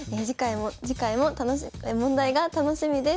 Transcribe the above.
次回も問題が楽しみです。